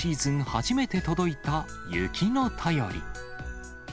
初めて届いた雪の便り。